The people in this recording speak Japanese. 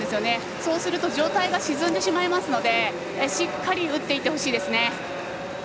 そうすると上体が沈んでしまいますのでしっかり打っていってほしいです。